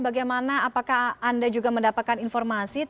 bagaimana apakah anda juga mendapatkan informasi